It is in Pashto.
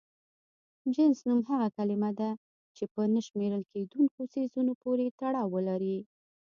جنس نوم هغه کلمه ده چې په نه شمېرل کيدونکو څيزونو پورې تړاو ولري.